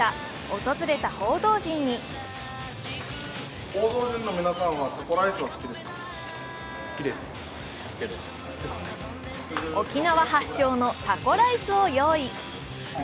訪れた報道陣に沖縄発祥のタコライスを用意。